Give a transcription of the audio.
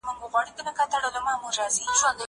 تکړښت د زهشوم له خوا کيږي.